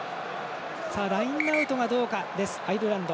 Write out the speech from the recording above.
ラインアウトがどうかですアイルランド。